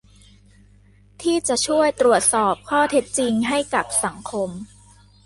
ที่จะช่วยตรวจสอบข้อเท็จจริงให้กับสังคม